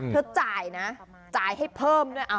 จ่ายนะจ่ายให้เพิ่มด้วย